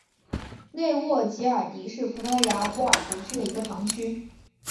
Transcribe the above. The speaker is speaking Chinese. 内沃吉尔迪是葡萄牙波尔图区的一个堂区。